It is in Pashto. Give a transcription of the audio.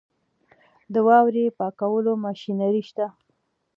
د واورې پاکولو ماشینري شته؟